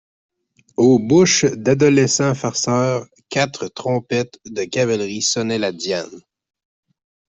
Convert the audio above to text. Aux bouches d'adolescents farceurs, quatre trompettes de cavalerie sonnaient la diane.